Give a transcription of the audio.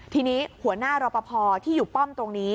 ทีนี้หัวหน้ารอปภที่อยู่ป้อมตรงนี้